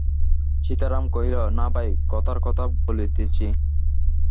সীতারাম কহিল, না ভাই, কথার কথা বলিতেছি!